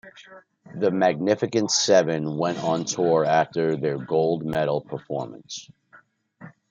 The Magnificent Seven went on tour after their gold medal performance.